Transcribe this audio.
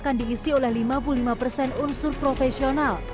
keposisi parpol sama profesional